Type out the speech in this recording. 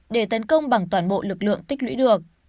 để tấn công bằng toàn bộ lực lượng tích lũy được